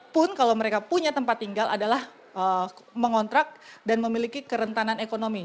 pun kalau mereka punya tempat tinggal adalah mengontrak dan memiliki kerentanan ekonomi